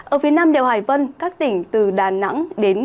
ở phía nam đèo hải vân các tỉnh từ đà nẵng đến